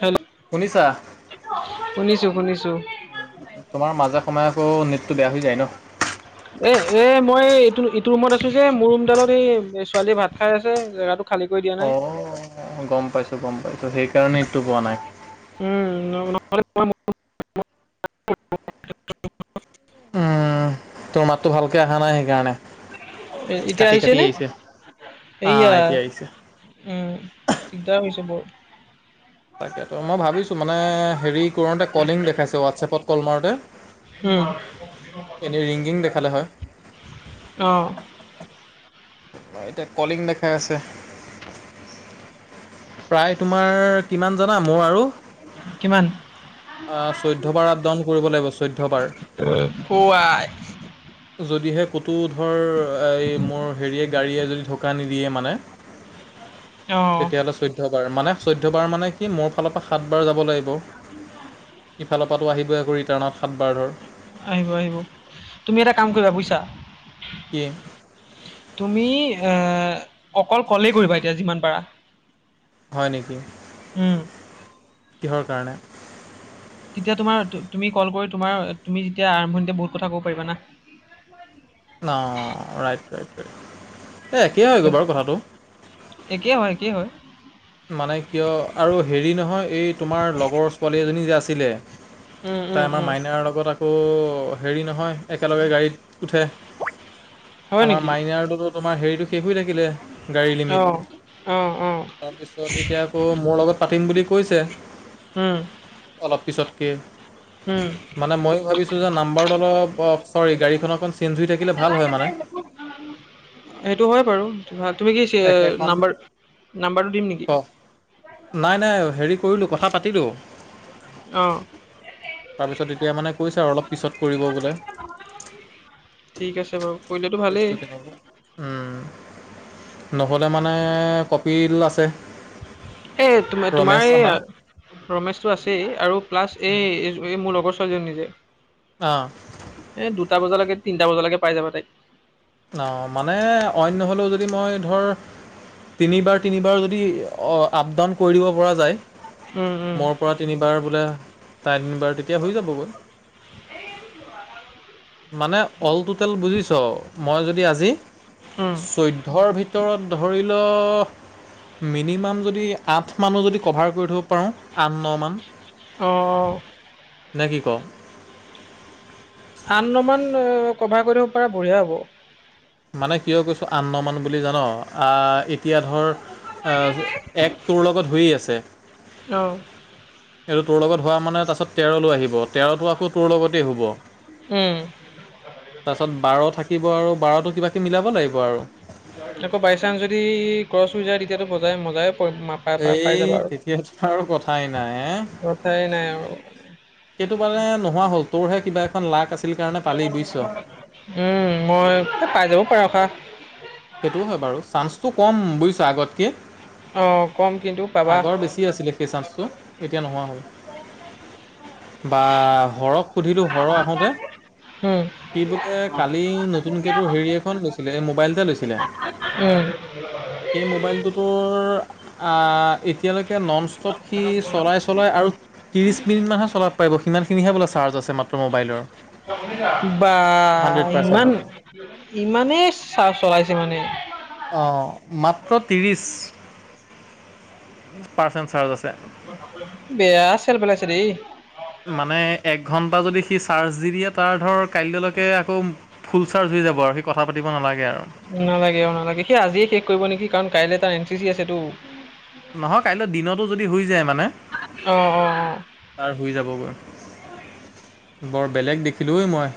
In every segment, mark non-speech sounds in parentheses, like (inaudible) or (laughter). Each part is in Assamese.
হেল্ল', শুনিছা শুনিছোঁ -শুনিছোঁ। তোমাৰ মাজে সময়ে আকৌ নেটটো বেয়া হৈ যায় ন? এ এ মই এইটো -এইটো ৰুমত আছোঁ যে মোৰ ৰুমডালত এই ছোৱালীয়ে ভাত খাই আছে জেগাটো খালী কৰি দিয়া অ, নাই গম পাইছোঁ -গম পাইছোঁ সেইকাৰণেটো পোৱা নাই। উম, (unintelligible) উম, তোৰ মাতটো ভালকে আহা নাই সেইকাৰণে। এতিয়া কাটি-কাটি নে আহিছে এইয়া আহ, এতিয়া আহিছে। উম, দিগদাৰ হৈ যাব। তাকে তো মই ভাবিছো মানে হেৰি কৰোতে কলিং দেখাইছে হোৱাটছএপত কল মাৰোতে। হম। এনে ৰিংগিং দেখালে হয়। অ', এতিয়া কলিং দেখাই আছে। প্ৰায় তোমাৰ কিমান জানা মোৰ আৰু কিমান? চৈধ্যবাৰ আপদাউন কৰিব লাগিব চৈধ্যবাৰ। (unintelligible) অ, আই। যদিহে ক'তো ধৰ এই মোৰ হেৰিয়ে গাড়ীয়ে যদি ঢোকা নিদিয়ে মানে। অ ', তেতিয়াহ'লে চৈধ্যবাৰ মানে চৈধ্যয়বাৰ মানে কি মোৰ ফালৰ পৰা সাত বাৰ যাব লাগিব। ইফালৰ পৰা আহিবই আকৌ ৰিটাৰ্ণত সাত বাৰ ধৰ। আহিব-আহিব তুমি এটা কাম কৰিবা বুইছা। কি? তুমি এ অকল কলেই কৰিবা এতিয়া যিমান পাৰা। হয় নেকি? উম, কিহৰ কাৰণে? তেতিয়া তোমাৰ তুমি কল কৰি তোমাৰ তুমি যেতিয়া আৰম্ভণিতে বহুত কথা কব পাৰিবা না। অ, ৰাইট - ৰাইট - ৰাইট এই একেই হৈ গে' বাৰু কথাটো। একেই হয় - একেই হয়। মানে কিয় আৰু হেৰি নহয় এই তোমাৰ লগৰ ছোৱালী এজনী যে আছিলে। উম, তাই উম, আমাৰ উম, মাইনাৰৰ লগত আকৌ হেৰি নহয় একেলগে গাড়ীত উঠে। হয় আমাৰ নেকি? মাইনাৰডডো তোমাৰ হেৰিটো শেষ হৈ থাকিলে গাড়ী লিমিট। অ', অ', অ', তাৰপিছত এতিয়া আকৌ মোৰ লগত পাতিম বুলি কৈছে। উম, অলপ পিছতকে উম, মানে ময়ো ভাবিছো যে নাম্বাৰটো অলপ অ, চৰি গাড়ীখন অকণ চেঞ্জ হৈ থাকিলে ভাল হয় মানে। (unintelligible) সেইটো হয় বাৰু তুমি কি একেখন নাম্বাৰ - নাম্বাৰটো দিম নেকি? নাই-নাই হেৰি কৰিলো কথা পাতিলো। অ', তাৰপিছত এতিয়া মানে কৈছে আৰু অলপ পিছত কৰিব বোলে। ঠিক আছে বাৰু কৰিলেতো কেছটো ভালেই। তেনেকুৱা উম, নহ'লে মানে কপিল আছে। সেই তোমাৰ - তোমাৰ ৰমেশ আমাৰ এই ৰমেশ টো আছেই আৰু প্লাছ এই - এই মোৰ লগৰ ছোৱালীজনী যে। অ', এ দুটা বজালৈকে তিনিটা বজালৈকে পাই যাবা তাইক। ন মানে অইন নহ'লেও যদি মই ধৰ তিনিবাৰ - তিনিবাৰ যদি আপ ডাউন কৰি দিব পৰা যায়। উম, উম, মোৰ পৰা তিনিবাৰ বোলে তাই তিনিবাৰ তেতিয়া হৈ যাবগৈ। মানে অল টুটেল বুজিছ মই যদি আজি উম, চৈধ ধৰ ভিতৰত ধৰি ল মিনিমাম যদি আঠ মানো যদি কভাৰ কৰি থ'ব পাৰোঁ আঠ ন মান অ। নে কি ক আন্নমান ন কভাৰ কৰিব পাৰা বঢ়িয়া হ'ব। মানে কিয় কৈছো আন্নমান বুলি জান আহ এতিয়া ধৰ অ, এক তোৰ লগত হৈয়ে আছে। অ', এইটো তোৰ লগত হোৱা মানে তাৰছত তেৰলৈ আহিব তেৰটো আকৌ তোৰ লগতে শুব। উম। তাছত বাৰ থাকিব আৰু বাৰতো কিবা কিবি মিলাব লাগিব আৰু। আকৌ বাই চানঞ্চ যদি ক্সছ হৈ যায় তেতিয়াতো বজাই মজাই পয় মাত এই তেতিয়াতো আৰু কথাই নাই এ তাই নাই আৰু। সেইটো মানে নোহোৱা হ'ল তোৰহে কিবা এখন লাক আছিল কাৰণে পালি বুজিছ। উম মই পাই যাব পাৰ খা। সেইটোও হয় বাৰু চান্সটো কম বুজিছ আগতকে। অ কম কিন্তু পাবা। কি আছিলে সেই চানসটো এতিয়া নোহোৱা হ'ল। বা সৰহ সুধিলো সৰহ আহোঁতে হম। কি বোলে কালি নতুনকে তো হেৰি এখন লৈছিলে মোবাইলতে লৈছ- উম। (unintelligible) এই মোবাইলটোতোৰ আ এতিয়ালৈকে নন ষ্টপ সি চলাই চলাই আৰু। ত্ৰিছ মিনিটমানহে চলাব পাৰিব সিখিনিহে বোলে চাৰ্জছে মাত্ৰ মোবাইলৰ। বা হাণ্ড্ৰেড ইমান পাৰ্চেণ্টৰ ইমানেই চা চলাইছে মানে। অ মাত্ৰ ত্ৰিছ পাৰ্চেণ্ট চাৰ্জ আছে। বেয়া চেল পেলাইছে দেই। মানে এক ঘণ্টা যদি সি চাৰ্জ দি দিয়ে তাৰ ধৰ কাইলেলৈকে আকৌ ফুল চাৰ্জ হৈ যাব আৰু সি কথা পাতিব নালাগে আৰু। নালাগে অ নালাগে সেই আজিয়ে শেষ কৰিব নেকি কাৰণ কাইলে তাৰ এন চি চি আছেটো। নহয় কাইলৈ দিনতো যদি হৈ যায় মানে। অ অ অ তাৰ শুই যাবগৈ বৰ বেলেগ দেখিলো ঐ মই।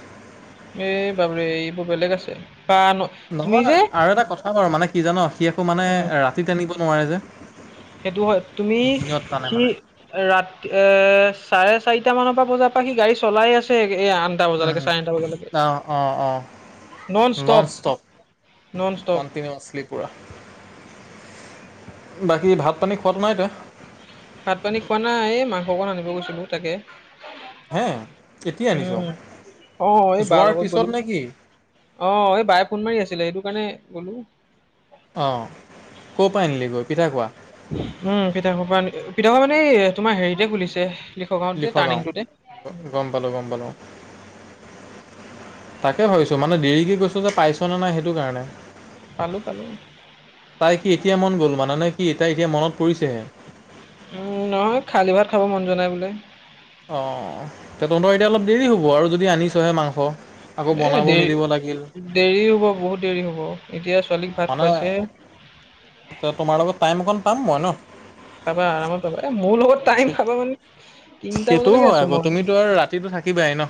এই বাবৰে এইবোৰ বেলেগ আছে। বা ন তুমি নহয় যে আৰু এটা কথা বাৰু মানে কি জান সি এককো মানে উম ৰাতিত আনিব নোৱাৰে যে। সেইটো হয় তুমি দিনত টানে সি মানে ৰাত এ চাৰে চাৰিটা মানৰ পৰা বজাৰ পৰা সি গাড়ী চলাই আছে এ আন উ অ অ অ নন ষ্টপ। নন ষ্টপ কণ্টিনিয়চিলিক পুৰা বাকী ভাত পানী খোৱাত নাই তই? ভাত পানী খোৱা নাই এই মাংস অকণ আনিব গৈছিলোঁ তাকে। হে এতিয়া আনিছ উম অ এই বাৰ যোৱাৰ লগত পিছত গ'লো। নে কি অ এই বায়ে ফোন মাৰি আছিলে সেইটো কাৰণে গ'লো। অ ক'ৰ পৰা আনিলি গৈ পিঠা খোৱা। উম পিঠা খোৱা আনে পিঠা মানে এ তোমাৰ হেৰিতে খুলিছে। সেসভাত যে তাৰনিংটোতে হ'লো গম পালোঁ অ। তাকে ভাবিছো মানে দেৰিক গৈছো যে পাইছ নে নাই? সেইটো কাৰণে। পালো, পালো। তাই কি এতিয়া মন গ'ল মানে নে কি, তাই এতিয়া মনত পৰিছেহে? উম নহয়, খালী ভাত খাব মন যোৱা নাই বোলে। অঁহ এতিয়া তহঁতৰ এতিয়া অলপ দেৰি হ'ব আৰু যদি আনিছহে মাংস। আকৌ এ বনাব মেলিব লাগিল দেৰি দেৰি হ'ব বহুত দেৰি হ'ব এতিয়া ছোৱালীক ভাত খুৱাইছেহে। চ তোমাৰ লগত টাইম অকণ পাম মই ন। তা পা আৰামত পাবা এ মোৰ লগত টাইম খাবা মানে তিনিটা সেইটোও বজালৈকে হয় আছো আকৌ মই তুমিতো আৰু ৰাতিটো থাকিবাই ন।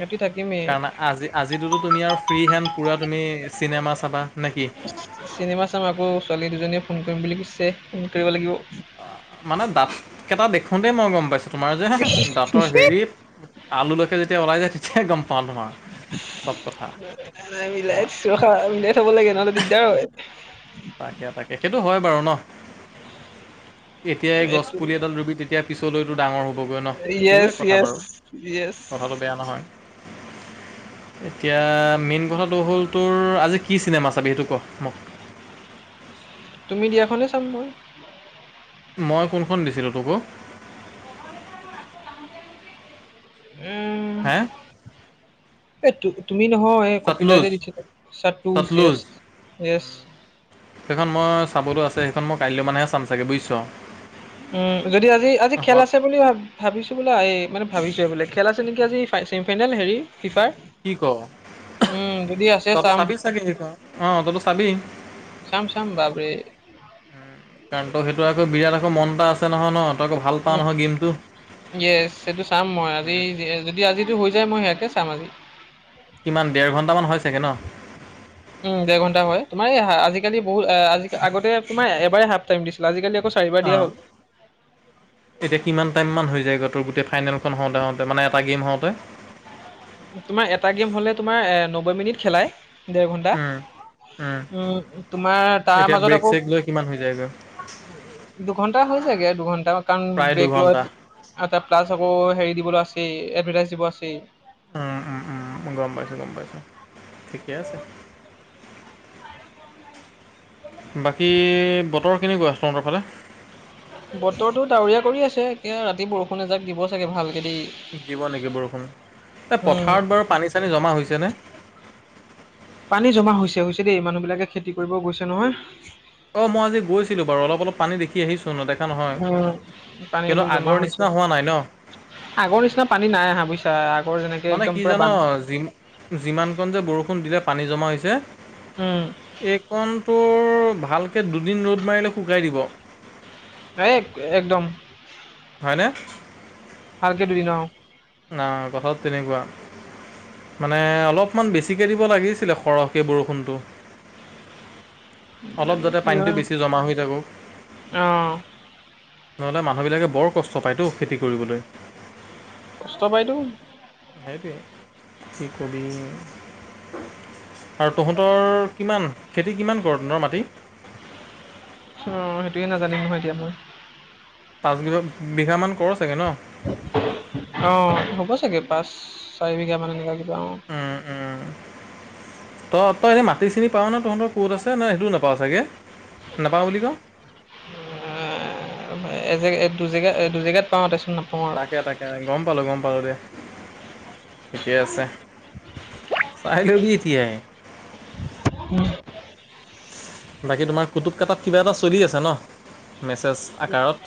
ৰাতি থাকিমেই কানা আজি আজিটোতো তুমি আৰু ফ্ৰী হেণ্ড। পূৰা তুমি চিনেমা চাবা নে কি? চিনেমা চাম আকৌ, ছোৱালী দুজনীয়ে ফোন কৰিম বুলি কৈছে, ফোন কৰিব লাগিব। অ মানে দাঁত কেইটা দেখোতেই মই গম পাইছো। তোমাৰ যে হে দাঁতৰ হেৰিত আলুলৈকে যেতিয়া ওলাই যায় তেতিয়াই গম পাওঁ, তোমাৰ চব কথা নাই নাই মিলাই মই। দিছো ৰখা উলিয়াই থ'ব লাগে নহ'লে দিগদাৰ হয়। তাকে তাকে সেইটো হয় বাৰু ন? এতিয়া এই গছ এইটো পুলি এডাল ৰুবি তেতিয়া পিছলৈতো ডাঙৰ হ'বগৈ নহ। সেইৱে য়েছ কথা য়েছ বাৰু। য়েছ কথাটো বেয়া নহয়। এতিয়া মেইন কথাটো হ'ল তোৰ আজি কি চিনেমা চাবি সেইটো ক মোক? তুমি দিয়াখনেই চাম মই। মই কোনখন দিছিলোঁ তোক অ? ম (unintelligible) হে? এই তুমি নহয়, এই কপিলে যে চাটলুজ দিছিলে জ চাটলুজ (unintelligible) এছ। সেইখন মই চাবতো আছে, সেইখন মই কাইলৈ মানেহে চাম চাগৈ বুজিছঁ। উম যদি আজি-আজি খেল আছে বুলি ভাব ভাবিছোঁ বোলে এই মে ভাবিছোঁ এই বোলে, খেল আছে নেকি আজি চেমি ফাইনেল হেৰি ফিফাৰ। কি ক? উম, যদি আছে তইতো চাম চাবি চাগে অ তইতো চাবি। চম চম বাবেই। উমঁ কাৰণ তই সেইটো আকৌ বিৰাট আকৌ মন এটা আছে নহয় ন? তই আকৌ ভাল পাওঁ নহয় গেমতটো। ইয়েছ সেইটো চাম মই আজি যদি আজিতো হৈ যায় মই সেয়াকে চাম আজি। কিমান ডেৰ ঘণ্টামান হয় চাগে ন? উমঁ দেৰ ঘন্টা হয়। তোমাৰ আজিকালি বহুত আজি আগতে তোমাৰ এবাৰে হাফ টাইম দিছিলে আজিকালি আকৌ চাৰিবাৰ দিয়া অঁহ। হ'ল। এতিয়া কিমান টাইমমান হৈ যায়গৈ তোৰ গোটেই ফাইনেলখন হওঁতে-হওঁতে মানে এটা গেম হওঁতে? তোমাৰ এটা গেম হলে তোমাৰ এ নব্বৈ মিনিট খেলাই, দেৰ ঘন্টা। উম উম উমঁ তোমাৰ তাৰ এতিয়া মাজত ব্ৰেক আকৌ চেক লৈ কিমান হৈ যায়গৈ দুঘন্টা হৈ যায়গে, দুঘন্টা কাৰণ প্ৰায় ব্ৰেক দুঘণ্টা লোৱাটো এটা প্লাছ আকৌ হেৰি দিবলৈ আছে, এডভাৰটাইজ দিব আছে। উমঁ, উমঁ-উমঁ গম পাইছো, গম পাইছো ঠিকে আছে। বাকী বতৰ কেনেকুৱা তহঁতৰ ফালে? বতৰটো ডাৱৰীয়া কৰি আছে। এতিয়া ৰাতি বৰষুণ এজাক দিব চাগে ভালকে দেই। দিব নেকি বৰষুণ? এই উম পথাৰত বাৰু পানী-চানী জমা হৈছে নে? পানী জমা হৈছে হৈছে দেই। মানুহ বিলাকে খেতি কৰিব গৈছে নহয়। অ মই আজি গৈছিলো বাৰু অলপ অলপ পানী দেখি কি আহিছো নেদেখা নহয়, উম পানী কিন্তু অলপ জমা আগৰ হৈছে নিচিনা হোৱা নাই ন? আগৰ নিচিনা পানী নাই আহা বুজিছা, আগৰ যেনেকে মানে একদম কি পুৰা জান বান যি যিমানকণ যে বৰষুণ দিলে পানী জমা হৈছে উমঁ। এইকণটোৰ ভালকৈ দুদিন ৰ'দ মাৰিলে শুকাই দিব। এই একদম। হয়নে? ভালকে দুদিন, অ'! অ'! কথাটো তেনেকুৱা। মানে, অলপমান বেছিকে দিব লাগিছিলে, সৰহকে বৰষুণটো। অলপ জানো যাতে কি পানীটো হয় বেছি জমা হৈ থাকো। অ নহ'লে মানুহবিলাকে বৰ কষ্ট পায়তো খেতি কৰিবলৈ। কষ্ট পাইতো। সেইটোৱে! কি ক'বি (unintelligible) আৰু তহঁতৰ কিমান, খেতি কিমান ক'ৰ তহঁতৰ মাটি? অ'! সেইটোৱে নাজানিম নহয়, এতিয়া মই। পাঁচ বিঘা, বিঘামান ক'ৰ চাগৈ ন'? অ'! হ'ব চাগে, পাঁচ- চাৰি বিঘা মান, এনেকুৱা কিবা অ'! উম উম (inaudible) তই, তই এনে, মাটি চিনি পাওঁ ন'? তহঁতৰ ক'ত আছে! নে, সেইটোও নাপাওঁ চাগে? নাপাওঁ বুলি ক'? এ, এজে, এইটো জেগা, এইটো জেগাত পাওঁ। তাৰপাছত, না তাকে, তাকে! গম পালোঁ, গম পালোঁ দে। ঠিকে আছে, চাই লবি এতিয়াই। উম! বাকী তোমাৰ, কুটুক -কাটাত কিবা এটা চলি আছে ন'? মেছেজ। আকাৰত।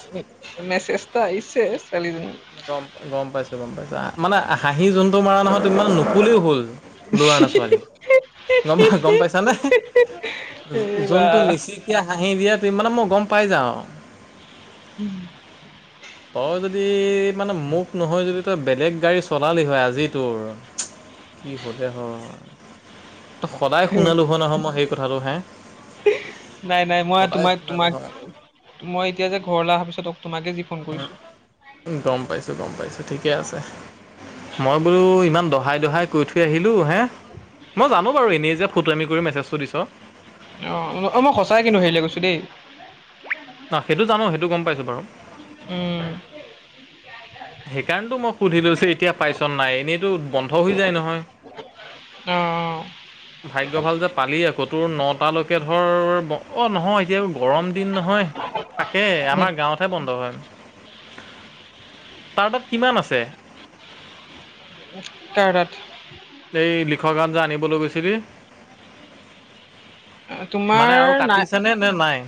মেছেজ এটা আহিছে, ছোৱালী এজনী। গম, গম পাইছোঁ, গম পাইছোঁ। মানে, হাঁহি যোনটো মৰা নহয়, তুমি মানে, নক'লেও হ'ল। ল'ৰা না ছোৱালী? গম পাই, গম পাইছানে? এই বা যোনটো মিচি এতিয়া হাঁহি দিয়া, তুমি মানে, মই গম পাই যাওঁ। (unintelligible) তই যদি, মানে, মোক নহয় যদি, তই বেলেগ গাড়ী চলালি হয়! আজি তোৰ (inaudible) কি হ'লে হয়! তোক সদায় শুনালোঁ হয়, নহয় মই! সেই কথাটো হে। নাই, নাই। মই সদায় তোমাক, শুনালো তোমাক, হয় মই এতিয়া যে, ঘৰলে অহাৰ পিছত, তোমাকে যি ফোন কৰিছোঁ। গম পাইছোঁ, গম পাইছোঁ, ঠিকে আছে। মই বোলোঁ, ইমান দহাই -দহাই কৈ থৈ আহিলোঁ। হে! মই জানোঁ বাৰু, এনেই যে ফটোৱামি কৰি মেছেজটো দিছ। অ'! মই সঁচাই কিন্তু, হেৰিলৈ গৈছোঁ দেই। (unintelligible) সেইটো জানোঁ, সেইটো গম পাইছোঁ বাৰু। উম! সেইকাৰণতো, মই সুধি লৈছোঁ, এতিয়া পাইছ নাই? এনেইতো বন্ধ হৈ যায়, নহয়। অঁ ভাগ্য ভাল যে পালি আকৌ। তোৰ, নটালৈকে ধৰ, অ'! নহয়, এতিয়া গৰম দিন নহয়! তাকে, অঁ আমাৰ গাঁৱত হে বন্ধ হয়। তাৰ, তাত কিমান আছে? কাৰ তাত? এই, লিখক গান যে, আনিবলৈ গৈছিলি? মানে আৰু কাটিছে নে, নে নাই?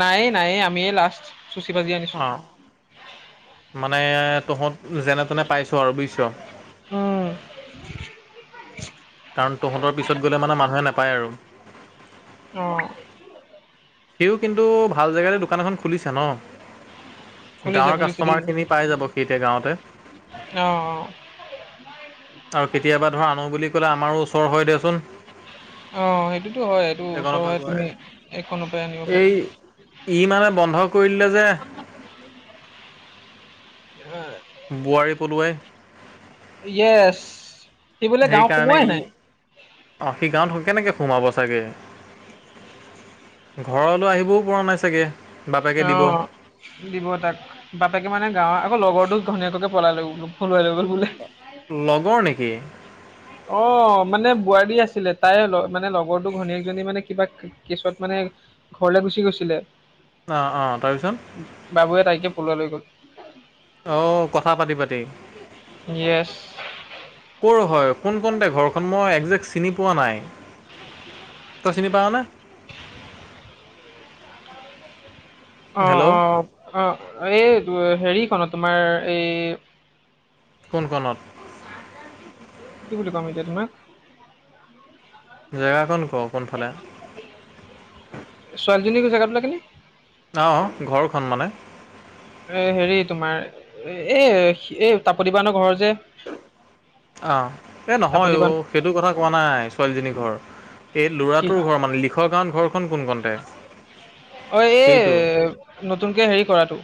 নাইয়ে, নাইয়ে। আমিয়ে লাষ্ট, চুচি বাছি আনিছোঁ। অ', মানে তহঁত, যেনে- তেনে পাইছ আৰু বুজিছ। উম! কাৰণ, তহঁতৰ পিছত গ'লে মানে, মানুহে নাপায় আৰু। অ'! সিওঁ কিন্তু, ভাল জেগাতে দোকান এখন খুলিছে ন'? খুলিছে গাঁৱৰ খুলিছে দেই কাষ্টমাৰ খিনি পাই যাব, সি এতিয়া গাঁৱতে। অঁ অঁ আৰু কেতিয়াবা ধৰ, আনোঁ বুলি ক'লে, আমাৰো ওচৰ হয়, দেচোন। অ সেইটোতো হয় এইটো এইকনৰ ওচৰ পৰা হয় গৈ। তুমি এইখনৰ পৰাই আনিব এই পাৰি ই মানে বন্ধ কৰি দিলে যে হা। বোৱাৰী পলুৱাই য়েছ! সি বোলে গাওঁ সেইকাৰণে সোমোৱাই ই নাই। অ'! সি গাঁৱত কেনেকে সোমাব চাগে? ঘৰলৈ আহিবও পৰা নাই চাগে বাপেকে অ। দিব। দিব তাক বাপেকে মানে গাঁৱৰ আকৌ, লগৰটো ঘৈনীয়েককে পলাই লৈ পলুৱাই লৈ গ'ল বোলে লগৰ নেকি? অ, মানে বোৱাৰী আছিলে তাই মানে লগৰটো ঘনীয়েকজনী মানে কিবা কেছত মানে ঘৰলে গুচি গৈছিলে অ, অ, তাৰপিছত বাবুৱে তাইকে পলোৱাই লৈ গ'ল অহ কথা পাতি পাতি, য়েছ, ক'ৰ হয়? কোন কনতে ঘৰখন মই একজেক্ট চিনি পোৱা নাই। তই চিনি পাৱনে? অ- অ, হেল্ল' অ এই হেৰিখন তোমাৰ এই কোন কনত? কি বুলি কম এতিয়া তোমাক। জেগা কন ক কোনফালে। ছোৱালীজনীৰ জেগাতো লগে নে? অ, ঘৰখন মানে এ হেৰি তোমাৰ এই এই তাপতি বায়নৰ ঘৰৰ যে আহ, এ নহয় তাপতি অ বান সেইটো কথা কোৱা নাই ছোৱালীজনীৰ ঘৰ এই কি ল'ৰাটোৰ ঘৰ মানে লিখৰ গাঁৱত ঘৰখন কোন কণতে অ সেইটো। এই নতুনকে হেৰি কৰাটো